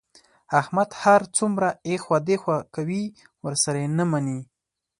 احمد هر څومره ایخوا دیخوا کوي، ورسره یې نه مني.